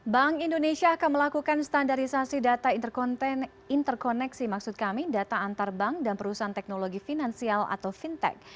bank indonesia akan melakukan standarisasi data interkoneksi maksud kami data antar bank dan perusahaan teknologi finansial atau fintech